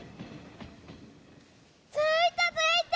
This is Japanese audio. ついたついた！